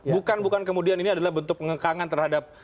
bukan bukan kemudian ini adalah bentuk pengekangan terhadap